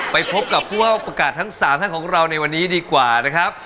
ไปพบกับผู้ว่าประกาศทั้ง๓ท่านของเราในวันนี้ดีกว่านะครับ